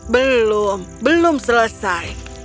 belum belum selesai